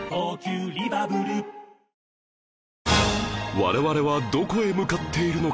我々はどこへ向かっているのか？